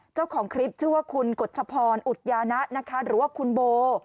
เจ้าของคลิปชื่อว่าคุณกฎชพรอุดยานะนะคะหรือว่าคุณโบ